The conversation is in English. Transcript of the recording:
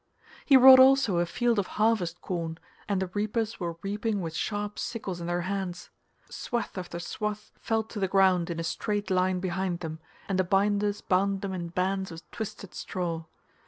He wrought also a field of harvest corn, and the reapers were reaping with sharp sickles in their hands. Swathe after swathe fell to the ground in a straight line behind them, and the binders bound them in bands of twisted straw.